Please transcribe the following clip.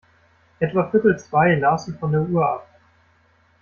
Etwa viertel zwei las sie von der Uhr ab.